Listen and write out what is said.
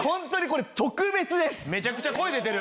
めちゃくちゃ声出てる。